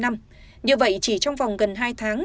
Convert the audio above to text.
như vậy chỉ trong vòng gần hai tháng